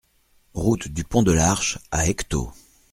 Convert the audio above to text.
Route du Pont de l'Arche à Ecquetot